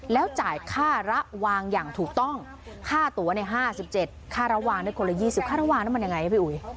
แล้วจ่ายค่าระวางอย่างถูกต้องค่าตัว๕๗ค่าระวางได้คนละ๒๐ค่าระวังน้ำมันยังไงพี่อุ๋ย